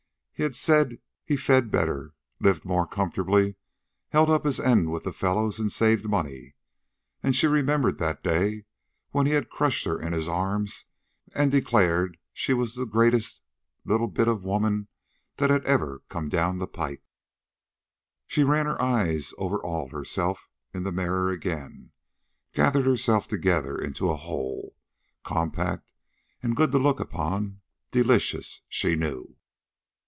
He had said he fed better, lived more comfortably, held up his end with the fellows, and saved money. And she remembered that day when he had crushed her in his arms and declared she was the greatest little bit of a woman that had ever come down the pike. She ran her eyes over all herself in the mirror again, gathered herself together into a whole, compact and good to look upon delicious, she knew.